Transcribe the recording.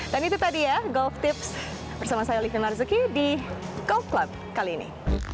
dan itu tadi ya golf tips bersama saya livin marzuki di golf club kali ini